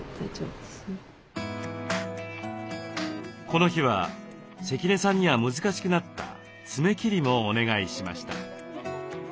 この日は関根さんには難しくなった爪切りもお願いしました。